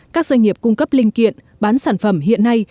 các doanh nghiệp cung cấp linh kiện bán sản phẩm hiện nay